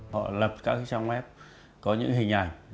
họ lập các trang web có những hình ảnh